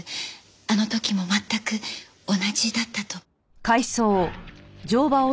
あの時も全く同じだったと。